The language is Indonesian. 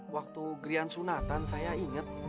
waktu grian sunatan saya ingat